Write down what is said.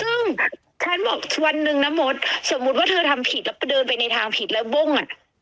ซึ่งฉันบอกวันหนึ่งนะมดสมมุติว่าเธอทำผิดแล้วก็เดินไปในทางผิดแล้วบ้งอ่ะ